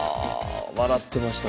笑ってました